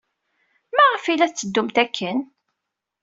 Maɣef ay la tetteddumt akken?